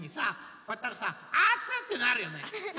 こうやったらさ「あつ！」ってなるよね。